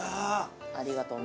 ありがとね。